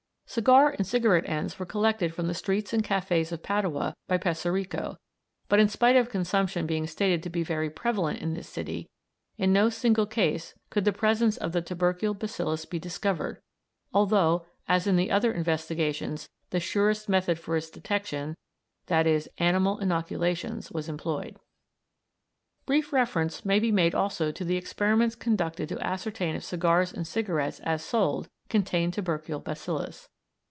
Cigar and cigarette ends were collected from the streets and cafés of Padua by Peserico, but in spite of consumption being stated to be very prevalent in this city, in no single case could the presence of the tubercle bacillus be discovered, although, as in the other investigations, the surest method for its detection, i.e. animal inoculations, was employed. Brief reference may be made also to the experiments conducted to ascertain if cigars and cigarettes, as sold, contain the tubercle bacillus.